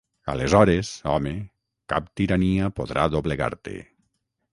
Aleshores, home, cap tirania podrà doblegar-te.